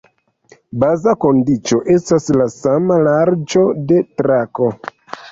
Baza kondiĉo estas la sama larĝo de trako.